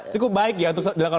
cukup baik ya untuk